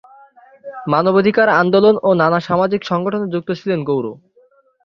মানবাধিকার আন্দোলন ও নানা সামাজিক সংগঠনে যুক্ত ছিলেন গৌর।